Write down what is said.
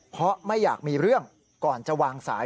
เพราะไม่อยากมีเรื่องก่อนจะวางสาย